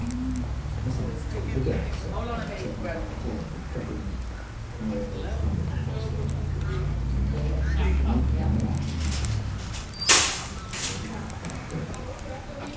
むしろ、出てらっしゃった役者の側のほうが的確にこの映画をつかんでいたのかもしれないと思ったのは正直なとこなので。